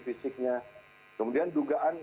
fisiknya kemudian dugaan